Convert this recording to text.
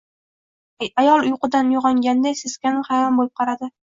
Ayol uyqudan uyg`onganday, seskanib, hayron bo`lib qaradi